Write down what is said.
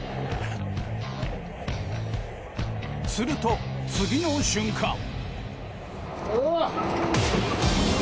すると次の瞬間。